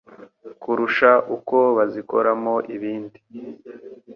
kurusha uko bazikoramo ibindi